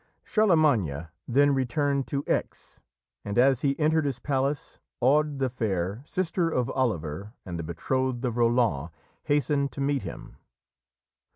Charlemagne then returned to Aix, and as he entered his palace, Aude the Fair, sister of Oliver, and the betrothed of Roland, hastened to meet him.